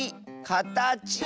「かたち」！